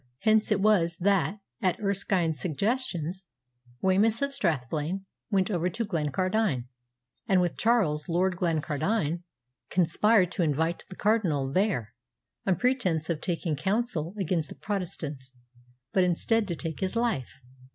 Hence it was that, at Erskine's suggestion, Wemyss of Strathblane went over to Glencardine, and with Charles, Lord Glencardine, conspired to invite the Cardinal there, on pretence of taking counsel against the Protestants, but instead to take his life.